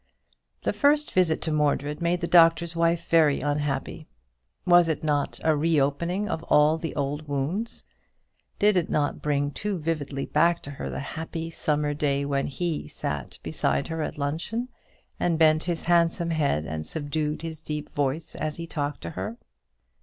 The first visit to Mordred made the Doctor's Wife very unhappy. Was it not a reopening of all the old wounds? Did it not bring too vividly back to her the happy summer day when he had sat beside her at luncheon, and bent his handsome head and subdued his deep voice as he talked to her?